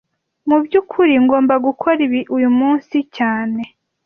Mu byukuri ngomba gukora ibi uyu munsi cyane